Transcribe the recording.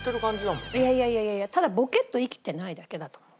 いやいやいやいやただボケッと生きてないだけだと思う。